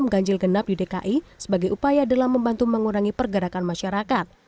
dan juga untuk menjaga pergerakan masyarakat